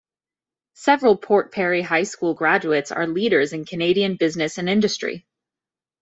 Several Port Perry High School Graduates are leaders in Canadian business and industry.